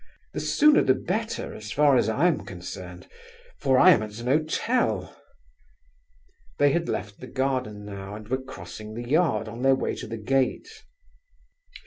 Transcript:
The sooner the better as far as I am concerned, for I am at an hotel." They had left the garden now, and were crossing the yard on their way to the gate.